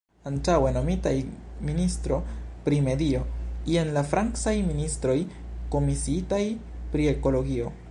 Antaŭe nomitaj "ministro pri medio", jen la francaj ministroj komisiitaj pri ekologio.